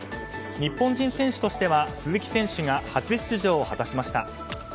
日本人選手としては鈴木選手が初出場を果たしました。